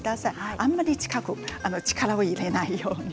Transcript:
あんまり力を入れないように。